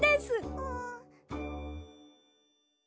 うん。